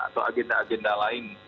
atau agenda agenda lain